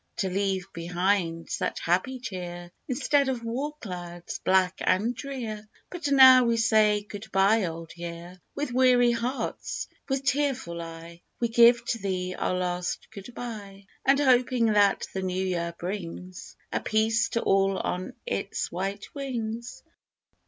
To leave behind such happy cheer Instead of war clouds, black and drear, But now we say, "Good bye Old Year," With weary hearts, with tearful eye, We give to thee our last good bye, And hoping that the New Year brings, A peace to all on its white wings.